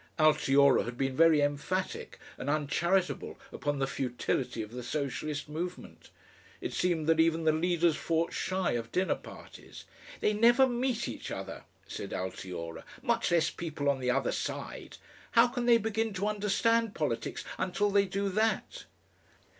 Altiora had been very emphatic and uncharitable upon the futility of the Socialist movement. It seemed that even the leaders fought shy of dinner parties. "They never meet each other," said Altiora, "much less people on the other side. How can they begin to understand politics until they do that?"